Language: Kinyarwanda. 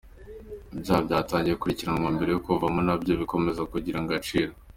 Ibyaha byatangiye gukurikiranwa mbere yo kuvamo nabyo bikomeza kugira agaciro.